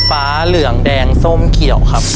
ฟ้าเหลืองแดงส้มเขียวครับ